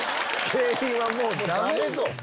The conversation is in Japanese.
芸人はもうダメぞ。